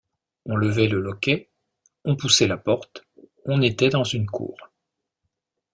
On levait le loquet, on poussait la porte, on était dans une cour.